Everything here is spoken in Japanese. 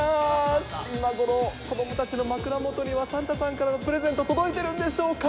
今頃、子どもたちの枕元には、サンタさんからのプレゼント、届いてるんでしょうか。